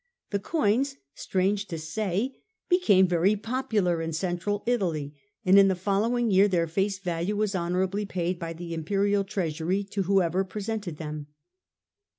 The coins, strange to say, became very popular in Central Italy, and in the following year their face value was honourably paid by the Imperial treasury to whoever presented them.